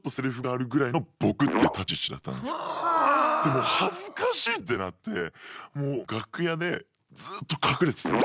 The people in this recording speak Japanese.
もう恥ずかしいってなってもう楽屋でずっと隠れてたんですよ。